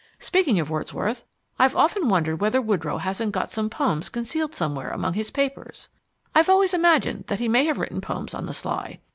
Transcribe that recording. Speaking of Wordsworth, I've often wondered whether Woodrow hasn't got some poems concealed somewhere among his papers! I've always imagined that he may have written poems on the sly.